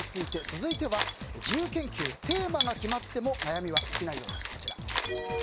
続いては自由研究、テーマが決まっても悩みは尽きないようです。